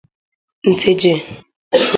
Nteje